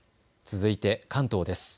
続いて関東です。